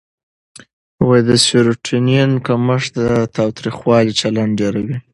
د سېرټونین کمښت د تاوتریخوالي چلند ډېروي.